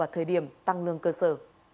thời điểm tăng lương cơ sở